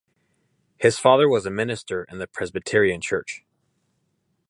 His father was a minister in the Presbyterian Church.